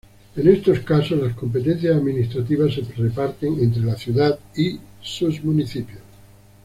En estos casos, las competencias administrativas se reparten entre la ciudad y sus municipios.